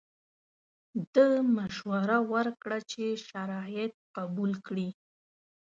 ده مشوره ورکړه چې شرایط قبول کړي.